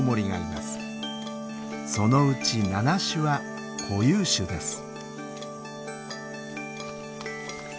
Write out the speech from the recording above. そのうち７種は固有種です。